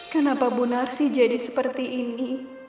kenapa bu narsi jadi seperti ini